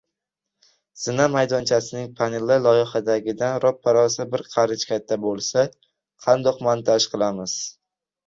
Zina maydonchasining paneli loyihadagidan roppa-rosa bir qarich kalta bo‘lsa, qandoq montaj qilamiz?